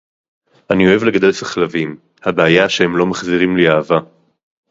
אני אוהב לגדל סחלבים. הבעיה שהם לא מחזירים לי אהבה